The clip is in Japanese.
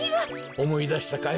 おもいだしたかい？